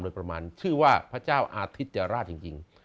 โดยประมาณชื่อว่าพระเจ้าอาทิตย์จราชจริง